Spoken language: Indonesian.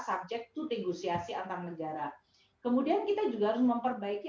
subject to negosiasi antar negara kemudian kita juga harus memperbaiki